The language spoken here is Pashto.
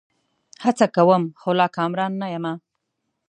هڅه کوم؛ خو لا کامران نه یمه